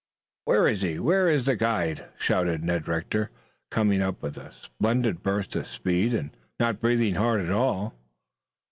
"Where is he? Where is, the guide?" shouted Ned Rector, coming up with a splendid burst of speed, and not breathing hard at all.